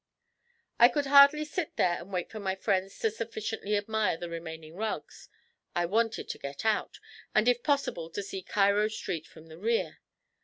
I could hardly sit there and wait for my friends to sufficiently admire the remaining rugs; I wanted to get out, and if possible to see Cairo Street from the rear.